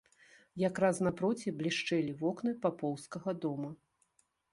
Якраз напроці блішчэлі вокны папоўскага дома.